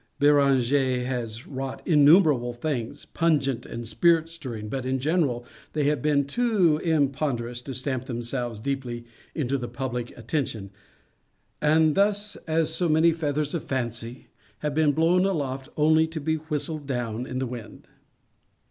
De Beranger has wrought innumerable things, pungent and spirit stirring, but in general they have been too imponderous to stamp themselves deeply into the public attention, and thus, as so many feathers of fancy, have been blown aloft only to be whistled down the wind.